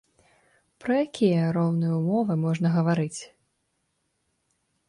Пра якія роўныя ўмовы можна гаварыць?